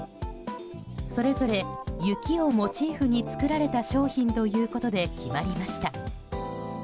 それぞれ雪をモチーフにした商品ということで決まりました。